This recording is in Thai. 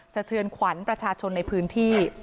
เสถือนขวานประชาชนในพื้นที่